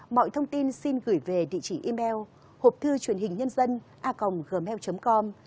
mọi thông tin xin gửi về địa chỉ email hộp thư truyền hình nhân dân a gmail com